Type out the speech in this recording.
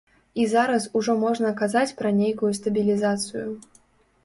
І зараз ужо можна казаць пра нейкую стабілізацыю.